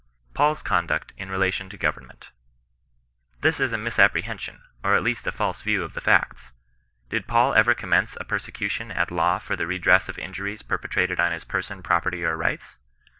Paul's coin)XJCT in relation to government. This is a misapprehension, or at least a false view of the facts. Did Faul ever commence a prosecution at law for the redress of injuries perpetrated on his ^rson, property, or rights